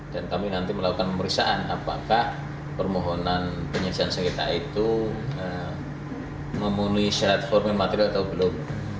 dan kami nanti melakukan pemeriksaan apakah permohonan penyediaan sekitar itu memenuhi syarat formal material atau belum